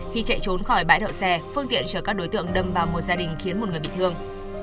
khi chạy trốn khỏi bãi đậu xe phương tiện chở các đối tượng đâm vào một gia đình khiến một người bị thương